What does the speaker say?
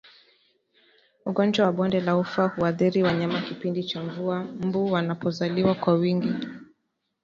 Ugonjwa wa bonde la ufa huathiri wanyama kipindi cha mvua mbu wanapozalia kwa wingi